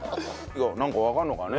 なんかわかるのかね？